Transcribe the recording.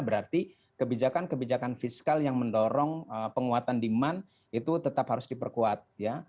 berarti kebijakan kebijakan fiskal yang mendorong penguatan demand itu tetap harus diperkuat ya